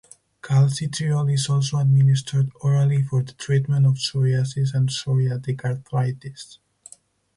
Calcitriol is also administered orally for the treatment of psoriasis and psoriatic arthritis.